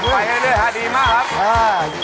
ไปเรื่อยดีมากครับ